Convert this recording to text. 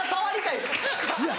いや。